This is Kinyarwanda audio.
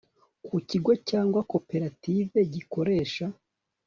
ku kigo cyangwa koperative gikoresha